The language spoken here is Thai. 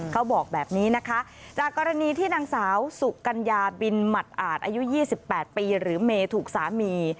เขาบอกแบบนี้นะคะจากกรณีที่นางสาวสุกัญญาบินหมัดอาจอายุ๒๘ปีหรือเมย์ถูกสามี